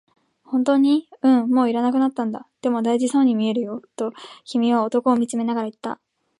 「本当に？」、「うん、もう要らなくなったんだ」、「でも、大事そうに見えるよ」と君は男を見つめながら言った。